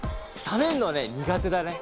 ためるのはね苦手だね。